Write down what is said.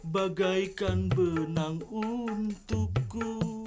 bagaikan benang untukku